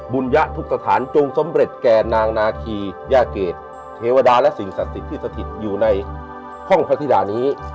บุญยะทุกสถานจงสำเร็จแก่นางนาคียาเกตเทวดาและสิ่งศักดิ์สิทธิ์ที่สถิตอยู่ในห้องพระธิดานี้